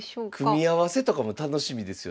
組み合わせとかも楽しみですよね。